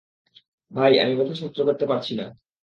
ভাই, আমি ব্যাথা সহ্য করতে পারছি না।